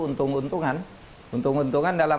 untung untungan untung untungan dalam